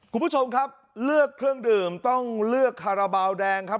คุณผู้ชมครับเลือกเครื่องดื่มต้องเลือกคาราบาลแดงครับ